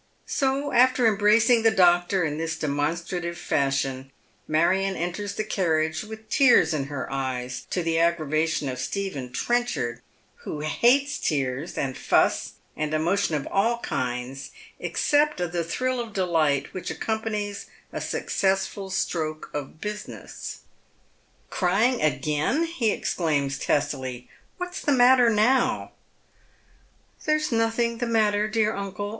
So after embracing the doctor in this demonstrative fashion, Marion enters the carriage with tears in her eyes, to the aggrava tion of Stephen Trenchard, who hates tears and fuss and emotion of all kinds, except the thrill of delight which accompanies a successful stroke of business. " Crying again," he exclaims testily. " What's the matter now ?"" There's nothing the matter, dear uncle.